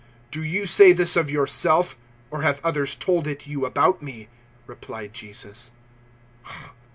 018:034 "Do you say this of yourself, or have others told it you about me?" replied Jesus.